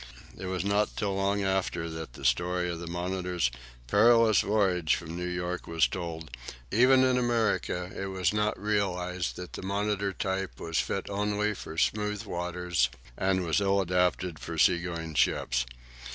It was not till long after that the story of the "Monitor's" perilous voyage from New York was told, and thus even in America it was not realized that the "Monitor" type was fit only for smooth waters, and was ill adapted for sea going ships.